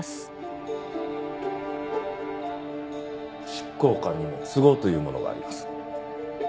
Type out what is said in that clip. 執行官にも都合というものがあります。